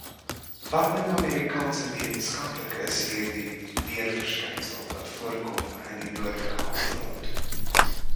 Wat noem Amerikaanse wetenskaplikes hierdie weerverskynsel wat voorkom in die noordelike halfrond?